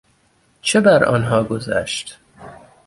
چه برآنها گذشت؟